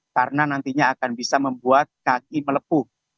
karena nantinya akan bisa membuat kaki melepuh